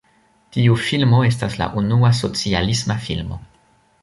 Tiu filmo estas la unua "socialisma filmo".